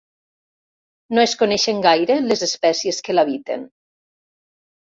No es coneixen gaire les espècies que l'habiten.